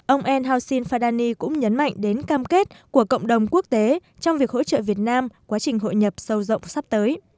ông el haosn fadani cũng nhấn mạnh đến cam kết của cộng đồng quốc tế trong việc hỗ trợ việt nam quá trình hội nhập sâu rộng sắp tới